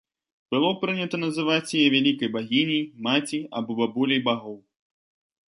Было прынята называць яе вялікай багіняй, маці або бабуляй багоў.